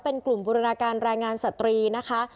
เป็นกลุ่มบูรณาการแรงงานสตรีนะคะ